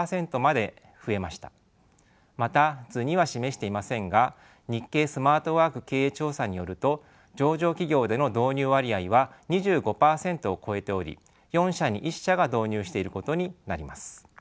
また図には示していませんが日経スマートワーク経営調査によると上場企業での導入割合は２５％を超えており４社に１社が導入していることになります。